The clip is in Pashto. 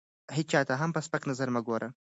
هېچا ته هم په سپک نظر مه ګورئ!